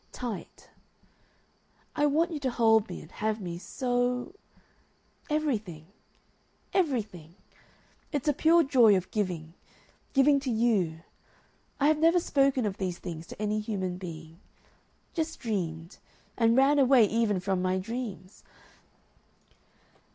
Tight. I want you to hold me and have me SO.... Everything. Everything. It's a pure joy of giving giving to YOU. I have never spoken of these things to any human being. Just dreamed and ran away even from my dreams.